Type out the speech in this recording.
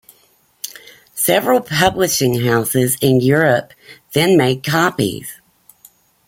Several publishing houses in Europe then made copies.